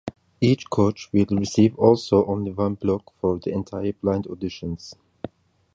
Each coach will receive also only one block for the entire blind auditions.